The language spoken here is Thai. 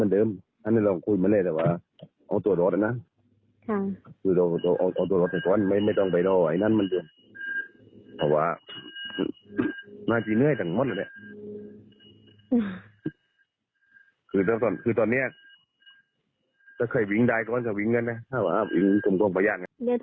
เดี๋ยวถ้าเขาแทรกงานแทรกได้เดี๋ยวลองคุยเลยนะ